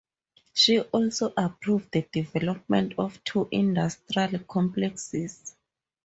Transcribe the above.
She also approved the development of two industrial complexes.